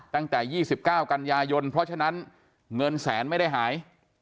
ตั้งแต่๒๙กันยายนเพราะฉะนั้นเงินแสนไม่ได้หาย